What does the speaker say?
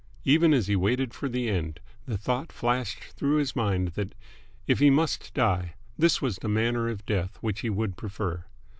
Even as he waited for the end the thought flashed through his mind that, if he must die, this was the manner of death which he would prefer.